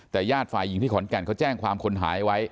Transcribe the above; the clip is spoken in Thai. แต่ญาติฝ่ายหญิงที่ขอนแก่นเขาแจ้งความคนหายไว้